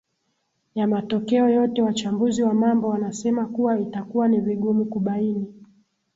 ya matokeo yote wachambuzi wa mambo wanasema kuwa itakuwa ni vigumu kubaini